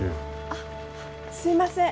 あっすいません。